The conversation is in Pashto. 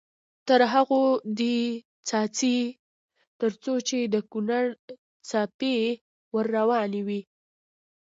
تر هغو دې څاڅي تر څو د کونړ څپې ور روانې وي.